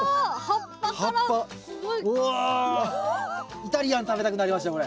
イタリアン食べたくなりましたこれ。